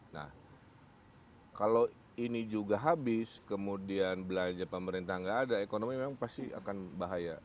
nah kalau ini juga habis kemudian belanja pemerintah nggak ada ekonomi memang pasti akan bahaya